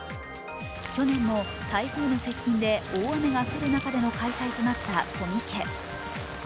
去年も台風の接近で大雨が降る中での開催となったコミケ。